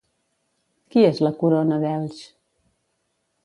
Qui és la Corona d'Elx?